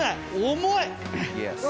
重い！